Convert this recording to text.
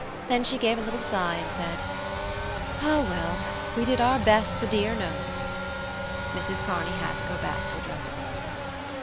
Then she gave a little sigh and said: "Ah, well! We did our best, the dear knows." Mrs Kearney had to go back to the dressing room.